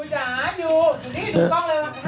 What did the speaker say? จ๋าอยู่นี่ดูกล้องเลย